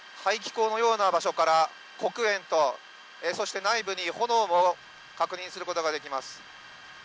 工場の屋上、排気口のような場所から黒煙とそして内部に歩道を確認することができます。